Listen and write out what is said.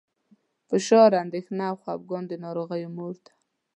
فشار، اندېښنه او خپګان د ناروغیو مور ده.